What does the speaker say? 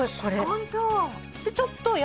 ちょっと。